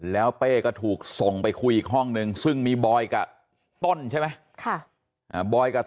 แล้วเป้ก็ถูกส่งไปคุยอีกห้องนึงซึ่งมีบอยกับต้นใช่ไหม